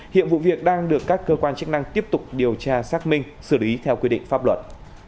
hiện vụ việc đang được các cơ quan chức năng tiếp tục điều tra xác minh xử lý theo quy định pháp luật